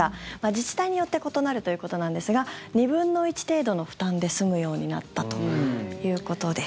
自治体によって異なるということなんですが２分の１程度の負担で済むようになったということです。